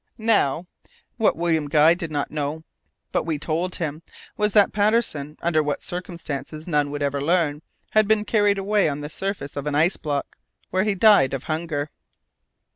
Now, what William Guy did not know, but we told him, was that Patterson under what circumstances none would ever learn had been carried away on the surface of an ice block, where he died of hunger.